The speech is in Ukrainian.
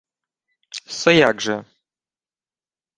— Се як же?